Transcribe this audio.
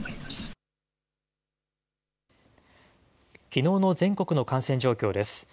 きのうの全国の感染状況です。